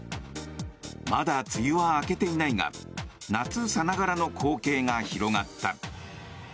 まだ梅雨は明けていないが夏さながらの光景が広がった。